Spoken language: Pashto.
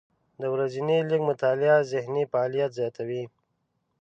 د ورځې لږه مطالعه ذهني فعالیت زیاتوي.